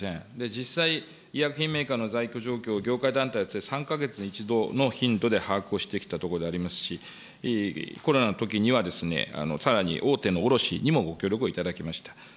実際、医薬品メーカーの在庫状況、業界団体で、３か月、一度の頻度で把握をしてきたところでありますし、コロナのときにはさらに大手の卸しにもご協力をいただきました。